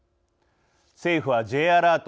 政府はＪアラート＝